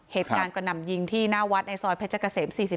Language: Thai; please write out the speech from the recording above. เหตุการณ์กระดำยิงที่หน้าวัดในซอยพระเจ้ากะเสม๔๘